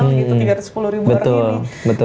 itu tiga ratus sepuluh ribu orang ini